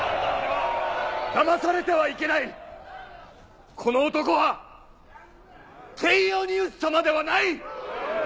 だまされてはいけないこの男はケイオニウス様ではない！